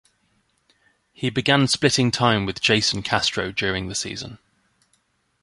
He began splitting time with Jason Castro during the season.